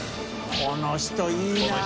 この人いいなぁ。